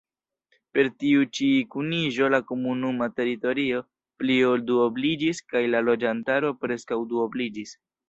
Per tiu-ĉi kuniĝo la komunuma teritorio pli ol duobliĝis kaj la loĝantaro preskaŭ duobliĝis.